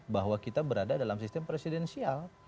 bahwa kita berada dalam sistem presidensial